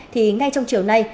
thì ngay trong chiều nay